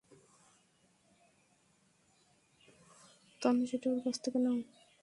তাহলে সেটা ওর কাছ থেকে নাও।